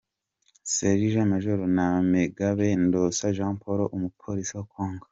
Sergent Major Namegabe Ndosa Jean Paul umupolisi wa Congo